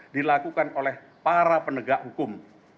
dilakukan oleh para penegak hukum